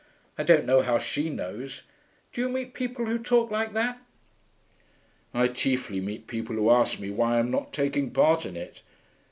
I don't know how she knows. Do you meet people who talk like that?' 'I chiefly meet people who ask me why I'm not taking part in it.